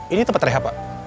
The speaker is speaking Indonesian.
ini tempat rehat pak